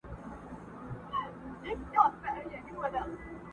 او له شرمه خلاص سي